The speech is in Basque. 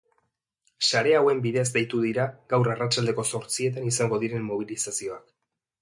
Sare hauen bidez deitu dira gaur arratsaldeko zortzietan izango diren mobilizazioak.